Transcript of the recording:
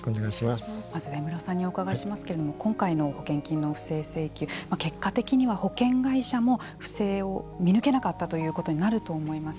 まず植村さんにお伺いしますけれども今回の保険金の不正請求結果的には保険会社も不正を見抜けなかったということになると思います。